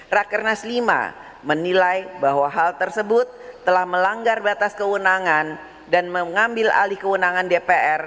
rakernas lima menilai bahwa hal tersebut telah melanggar batas kewenangan dan mengambil alih kewenangan dpr